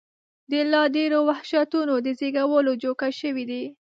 د لا ډېرو وحشتونو د زېږولو جوګه شوي دي.